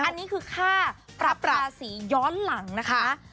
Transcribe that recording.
อันนี้คือค่าปรับราศีย้อนหลังนะคะ